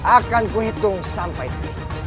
akan kuhitung sampai ini